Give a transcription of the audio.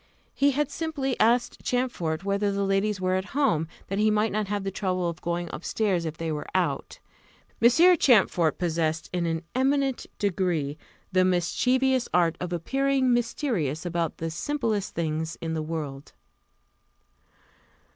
He had simply asked Champfort whether the ladies were at home, that he might not have the trouble of going up stairs if they were out. Monsieur Champfort possessed, in an eminent degree, the mischievous art of appearing mysterious about the simplest things in the world.